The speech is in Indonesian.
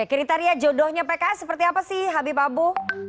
kriteria jodohnya pks seperti apa sih habib abu